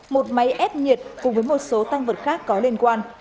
một máy ép nhiệt cùng với một số tăng vật khác có liên quan